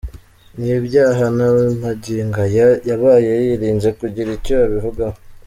Ni ibyaha na magingo aya yabaye yirinze kugira icyo abivugaho.